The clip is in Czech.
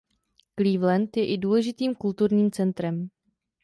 Cleveland je i důležitým kulturním centrem.